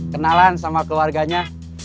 kenalan sama keluarganya